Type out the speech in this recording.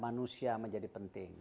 manusia menjadi penting